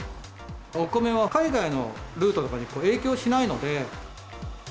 お米は海外のルートとかに影響しないので。